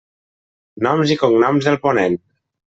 Noms i cognoms del ponent.